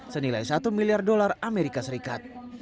senilai satu miliar dolar amerika serikat